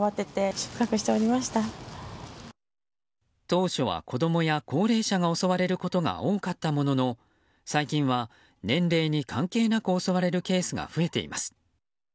当初は子供や高齢者が襲われることが多かったものの最近は年齢に関係なく襲われるケースが増えています。